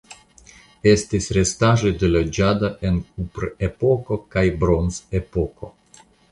Estis restaĵoj de loĝado en Kuprepoko kaj Bronzepoko.